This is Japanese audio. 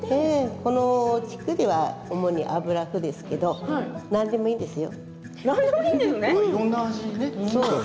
この辺りは主に油ふですけれども何でもいいですよ。